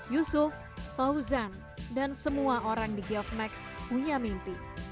yusuf fauzan dan semua orang di geofmax punya mimpi